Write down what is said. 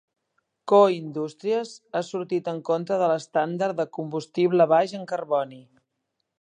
Koch Industries ha sortit en contra de l'Estàndard de combustible baix en carboni.